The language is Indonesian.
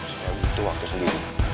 saya butuh waktu sendiri